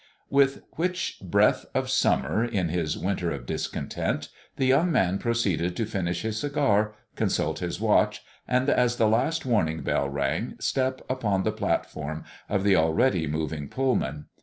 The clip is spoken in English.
With which breath of summer in his winter of discontent the young man proceeded to finish his cigar, consult his watch, and, as the last warning bell rang, step upon the platform of the already moving Pullman.